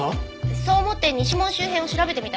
そう思って西門周辺を調べてみたんです。